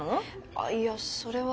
あいやそれは。